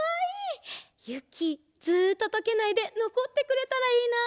ずっととけないでのこってくれたらいいな。